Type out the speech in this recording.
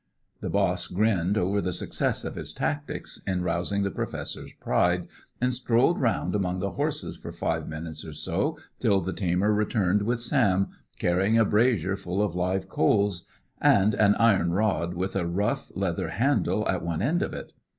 The boss grinned over the success of his tactics in rousing the Professor's pride, and strolled round among the horses for five minutes or so till the tamer returned with Sam, carrying a brazier full of live coals, and an iron rod with a rough leather handle at one end of it.